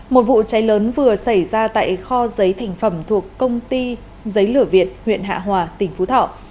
một vụ cháy lớn vừa xảy ra tại kho giấy thành phẩm thuộc công ty giấy lửa việt huyện hạ hòa tỉnh phú thọ